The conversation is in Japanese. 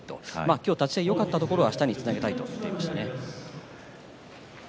今日立ち合いでよかったところはあしたにつなげたいと言っていました。